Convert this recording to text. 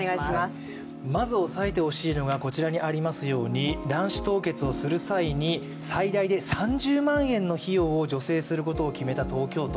まず、押さえてほしいのがこちらにありますように卵子凍結をする際に最大で３０万円の費用を助成することを決めた東京都。